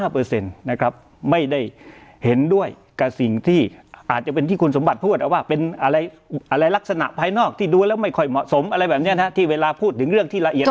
ไม่ได้เห็นด้วยกับสิ่งที่อาจจะเป็นที่คุณสมบัติพูดว่าเป็นอะไรลักษณะภายนอกที่ดูแล้วไม่ค่อยเหมาะสมอะไรแบบนี้นะที่เวลาพูดถึงเรื่องที่ละเอียด